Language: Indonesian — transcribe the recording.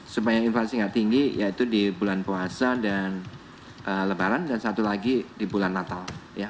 supaya inflasi nggak tinggi yaitu di bulan puasa dan lebaran dan satu lagi di bulan natal